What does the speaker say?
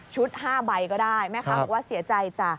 ๕ใบก็ได้แม่ค้าบอกว่าเสียใจจ้ะ